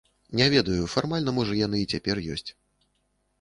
Не ведаю, фармальна можа яны і цяпер ёсць.